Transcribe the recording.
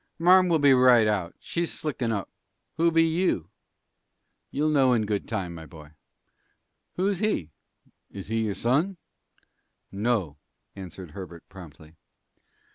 "Marm will be right out. She's slickin' up. Who be you?" "You'll know in good time, my boy." "Who's he? Is he your son?" "No," answered Herbert promptly.